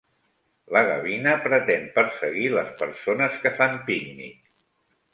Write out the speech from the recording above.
La gavina pretén perseguir les persones que fan pícnic.